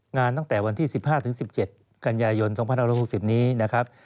ตั้งแต่วันที่๑๕๑๗กันยายน๒๕๖๐นี้นะครับ